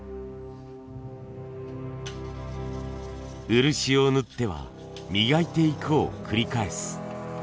漆を塗っては磨いていくを繰り返す。